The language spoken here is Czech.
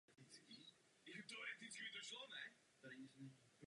Zahrada je volně přístupná pouze každou první středu v měsíci.